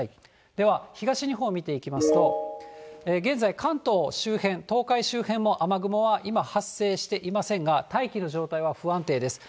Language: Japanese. では、東日本を見ていきますと、現在、関東周辺、東海周辺も雨雲は今、発生していませんが、大気の状態は不安定です。